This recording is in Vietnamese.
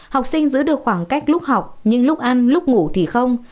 học sinh giữ được khoảng cách lúc học nhưng lúc ăn lúc ngủ thì không